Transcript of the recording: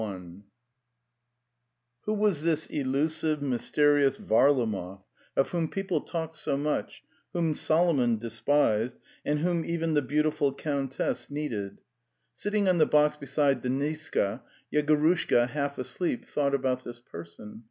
LY, Who was this elusive, mysterious Varlamov of whom people talked so much, whom Solomon de spised, and whom even the beautiful countess 208 The Tales of Chekhov needed? Sitting on the box beside Deniska, Yego rushka, half asleep, thought about this person.